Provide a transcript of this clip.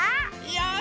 よし。